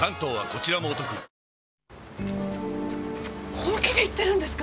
本気で言ってるんですか